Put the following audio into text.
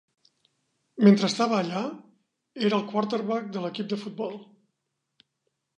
Mentre estava allà, era el quarterback de l'equip de futbol.